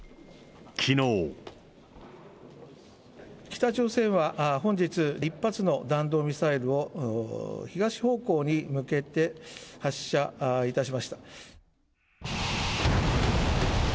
北朝鮮は、本日１発の弾道ミサイルを、東方向に向けて発射いたしました。